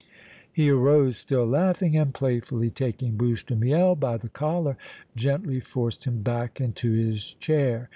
He arose, still laughing, and, playfully taking Bouche de Miel by the collar, gently forced him back into his chair.